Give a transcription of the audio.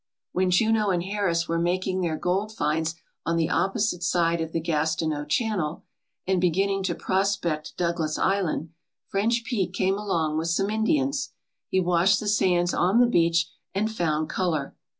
When Juneau and Harris were making their gold finds on the opposite side of the Gastineau Channel, and beginning to pros pect Douglas Island, French Pete came along with some Indians. He washed the sands on the beach and found colour.